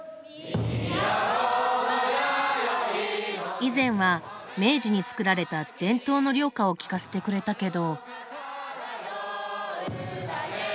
以前は明治に作られた伝統の寮歌を聞かせてくれたけど。